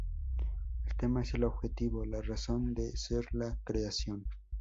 El tema es el objetivo, la razón de ser la creación.